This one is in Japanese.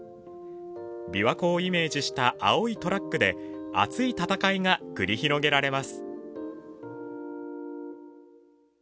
琵琶湖をイメージした青いトラックで熱い戦いが繰り広げられます。